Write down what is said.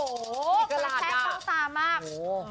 มีกระแทกต้องตามากโอ้โห